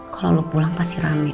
kalau lo pulang pasti rame